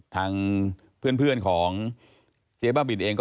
ทางเพื่อนของเจ๊บ้าบินเองก็